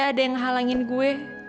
ada yang halangin gue